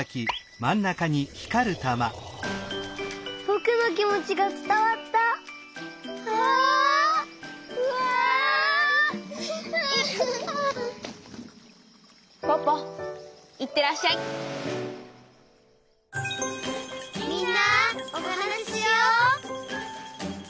「みんなおはなししよう」